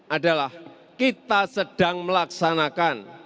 adalah kita sedang melaksanakan